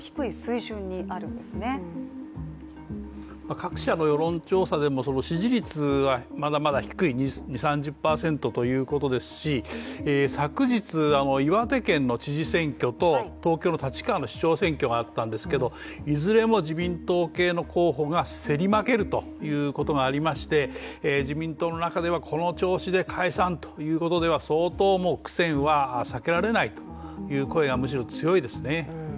各社の世論調査でも支持率はまだまだ低い、２０３０％ということですし昨日、岩手県の知事選挙と東京の立川の市長選挙があったんですけどいずれも自民党系の候補が競り負けるということがありまして、自民党の中ではこの調子で解散ということでは相当苦戦は避けられないという声がむしろ強いですね。